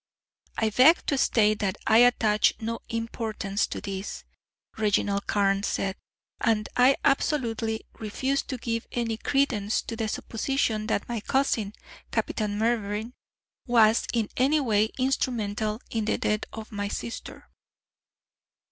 "I beg to state that I attach no importance to this," Reginald Carne said, "and I absolutely refuse to give any credence to the supposition that my cousin, Captain Mervyn, was in any way instrumental in the death of my sister."